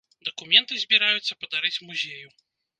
Дакументы збіраюцца падарыць музею.